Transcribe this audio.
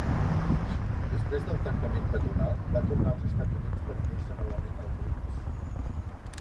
Després del tancament patronal, va tornar als Estats Units per unir-se novament als Bruins.